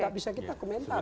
nggak bisa kita komentar